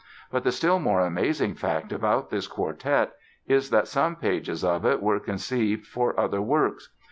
But the still more amazing fact about this quartet is that some pages of it were conceived for other works.